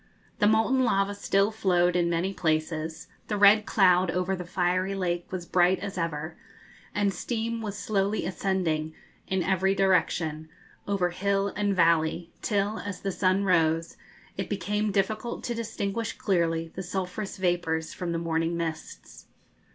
The molten lava still flowed in many places, the red cloud over the fiery lake was bright as ever, and steam was slowly ascending in every direction, over hill and valley, till, as the sun rose, it became difficult to distinguish clearly the sulphurous vapours from the morning mists.